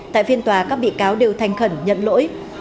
tại phiên tòa các bị cáo đều thành khẩn nhận lỗi